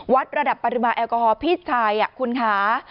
วัดระดับปริมาณแอลกอฮอลพี่ชายคุณคะ